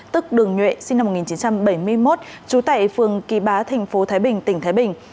tức đường nhuệ sinh năm một nghìn chín trăm bảy mươi một trú tại phường kỳ bá thành phố thái bình tỉnh thái bình